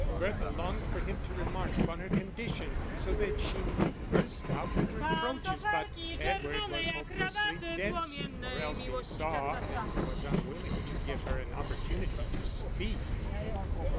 Bertha longed for him to remark upon her condition so that she might burst out with reproaches, but Edward was hopelessly dense or else he saw and was unwilling to give her an opportunity to speak.